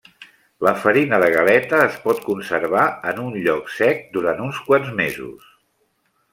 La farina de galeta es pot conservar en un lloc sec durant uns quants mesos.